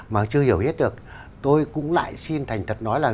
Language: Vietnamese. mà chưa hiểu hết được tôi cũng lại xin thành thật nói là